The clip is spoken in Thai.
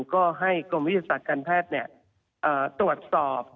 ก็ให้กรมวิทยาศาสตร์การแพทย์ตรวจสอบ